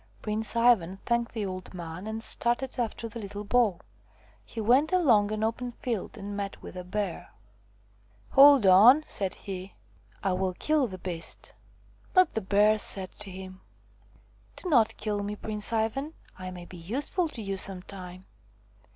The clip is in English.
Prince Ivan thanked the old man and started 124 THE FROG QUEEN after the little ball. He went along an open field and met with a bear. " Hold on !" said he. " I will kill the beast." But the Bear said to him: "Do not kill me, Prince Ivan ; I may be useful to you some time."